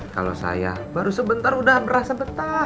kalo saya baru sebentar udah berasa betah